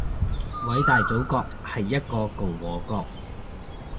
偉大祖國係一個共和國